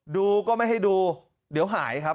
ก็ไม่ให้ดูเดี๋ยวหายครับ